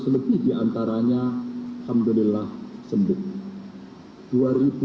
delapan dua ratus lebih diantaranya alhamdulillah sembuh